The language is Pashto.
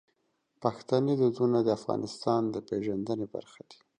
پښتني دودونه د افغانستان د پیژندنې برخه دي.